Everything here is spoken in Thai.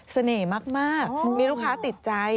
เสน่ห์มากมีลูกค้าติดใจ